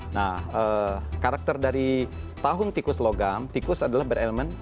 nah karakter dari tahun tikus logam tikus adalah berelemen